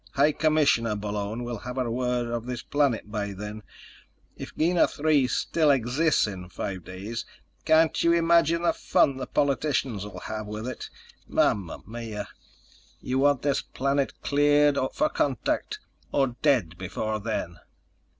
High Commissioner Bullone will have word of this planet by then. If Gienah III still exists in five days, can't you imagine the fun the politicians'll have with it? Mama mia! We want this planet cleared for contact or dead before then."